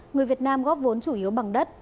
người việt nam góp vốn chủ yếu bằng đất